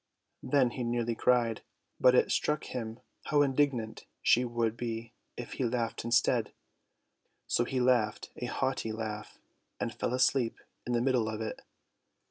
Then he nearly cried; but it struck him how indignant she would be if he laughed instead; so he laughed a haughty laugh and fell asleep in the middle of it.